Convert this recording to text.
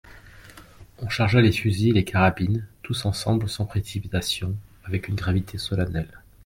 On chargea les fusils et les carabines, tous ensemble, sans précipitation, avec une gravité solennelle.